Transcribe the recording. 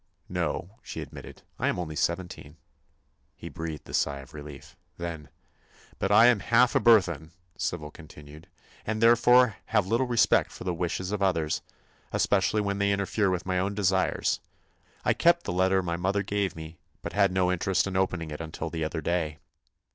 "No," she admitted; "I am only seventeen." He breathed a sigh of relief. "Then—" "But I am half a Burthon," Sybil continued, "and therefore have little respect for the wishes of others—especially when they interfere with my own desires. I kept the letter my mother gave me, but had no interest in opening it until the other day."